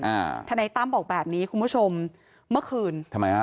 ทนายตั้มบอกแบบนี้คุณผู้ชมเมื่อคืนทำไมฮะ